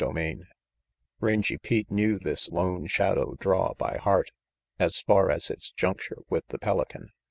CHAPTER III RANGY PETE knew this Lone Shadow draw by heart, as far as its juncture with the Pelican.